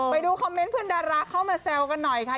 ไปดูคอมเมนต์เพื่อนดาราเข้ามาแซวกันหน่อยค่ะ